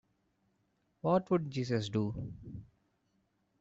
What would Jesus do?